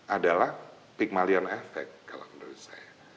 adalah pigmalion effect kalau menurut saya